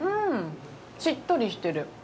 しっとりしてる。